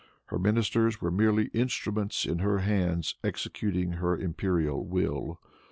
Her ministers were merely instruments in her hands executing her imperial will.